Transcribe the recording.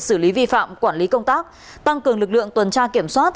xử lý vi phạm quản lý công tác tăng cường lực lượng tuần tra kiểm soát